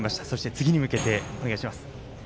次に向けてお願いします。